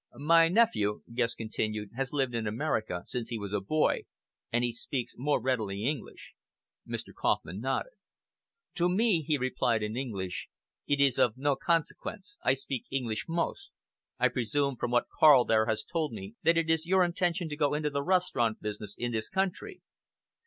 "My nephew," Guest continued, "has lived in America since he was a boy, and he speaks more readily English!" Mr. Kauffman nodded. "To me," he replied in English, "it is of no consequence. I speak English most. I presume, from what Karl there has told me, that it is your intention to go into the restaurant business in this country."